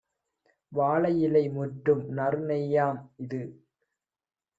வாழை யிலைமுற்றும் நறுநெய்யாம் - இது